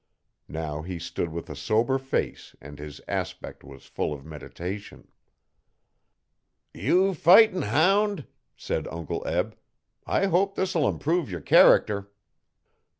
Now he stood with a sober face and his aspect was full of meditation. 'You fightin' hound!' said Uncle Eb, 'I hope this'll improve yer character.'